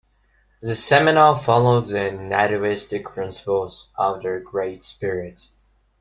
The Seminole followed the nativistic principles of their Great Spirit.